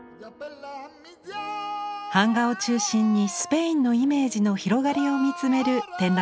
版画を中心にスペインのイメージの広がりを見つめる展覧会です。